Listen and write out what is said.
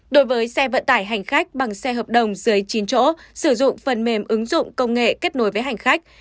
đối với xe vận tải hành khách bằng xe hợp đồng dưới chín chỗ sử dụng phần mềm ứng dụng công nghệ kết nối với hành khách